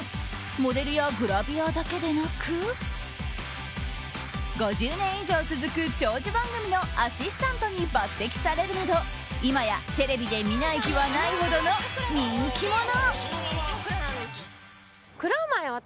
モデルやグラビアだけでなく５０年以上続く長寿番組のアシスタントに抜擢されるなど今やテレビで見ない日はないほどの人気者。